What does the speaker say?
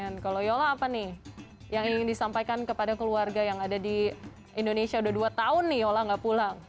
amin kalau yola apa nih yang ingin disampaikan kepada ki dengan grated indonesia deduct on iholanya pulang